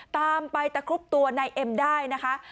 ตามไปตะครุบตัวนายเอ็มได้นะคะ